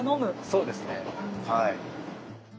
そうですねはい。